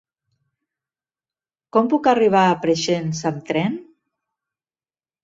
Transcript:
Com puc arribar a Preixens amb tren?